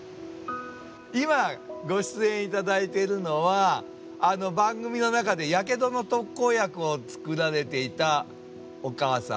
今ご出演頂いてるのはあの番組の中でやけどの特効薬を作られていたおかあさん。